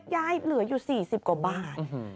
เหลืออยู่๔๐กว่าบาท